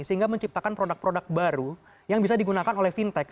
sehingga menciptakan produk produk baru yang bisa digunakan oleh fintech